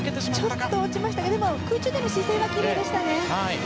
ちょっと落ちましたがでも、空中での姿勢はきれいでしたね。